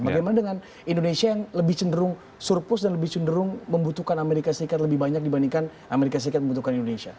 bagaimana dengan indonesia yang lebih cenderung surplus dan lebih cenderung membutuhkan amerika serikat lebih banyak dibandingkan amerika serikat membutuhkan indonesia